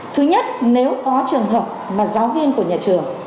thứ nhất nếu có trường hợp mà giáo viên của nhà trường